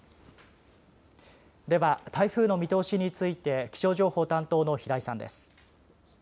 では、台風の見通しについて気象情報担当の平井さんです。